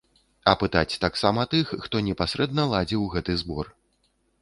Апытаць таксама тых, хто непасрэдна ладзіў гэты збор.